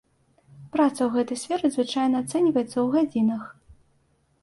Праца ў гэтай сферы звычайна ацэньваецца ў гадзінах.